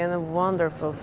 yang paling menarik